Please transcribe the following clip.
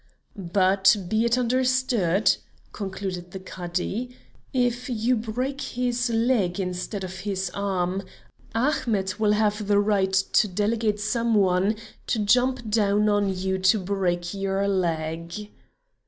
"But be it understood," concluded the Cadi, "if you break his leg instead of his arm, Ahmet will have the right to delegate some one to jump down on you to break your leg."